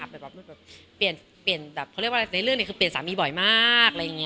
เราเรียกในเรื่องนี้คือเปลี่ยนสามีบ่อยมาก